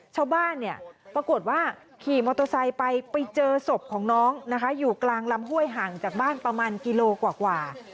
ชาวบ้านเนี่ยปรากฏว่าขี่มอเตอร์ไซค์ไปไปเจอศพของน้องนะคะอยู่กลางลำห้วยห่างจากบ้านประมาณกิโลกว่า